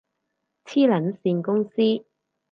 黐撚線公司